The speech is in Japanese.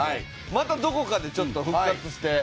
またどこかでちょっと復活してまた。